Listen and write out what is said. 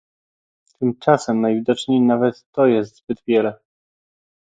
Tymczasem najwidoczniej nawet to jest zbyt wiele